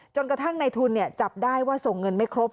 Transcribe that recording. กระทั่งในทุนจับได้ว่าส่งเงินไม่ครบ